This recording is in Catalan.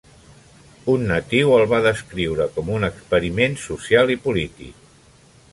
Un natiu el va descriure com a un experiment social i polític.